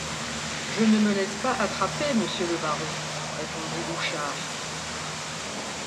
Je ne me laisse pas attraper, monsieur le baron, répondit Louchard.